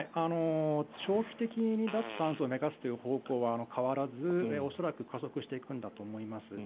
長期的に脱炭素を目指すという方向は変わらず恐らく加速していくんだと思います。